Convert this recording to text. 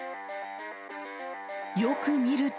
よく見ると。